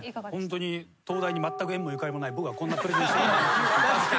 ホントに東大にまったく縁もゆかりもない僕がこんなプレゼンしていいのか。